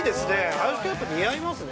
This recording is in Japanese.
林君、やっぱ似合いますね。